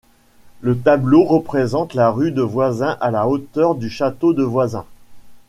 Le tableau représente la rue de Voisins à la hauteur du Château de Voisins.